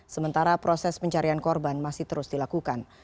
sementara proses pencarian korban masih terus dilakukan